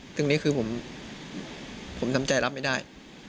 ตรงนี้คือผมทำใจรับไม่ได้